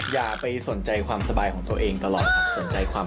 แฟนคลับคอมเมนต์ว่าผมจะใส่ครับ